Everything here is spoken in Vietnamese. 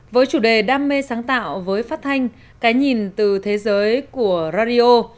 với chủ đề đam mê sáng tạo với phát thanh cái nhìn từ thế giới của rario